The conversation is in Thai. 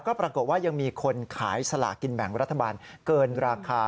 ก็ปรากฏว่ายังมีคนขายสลากินแบ่งรัฐบาลเกินราคา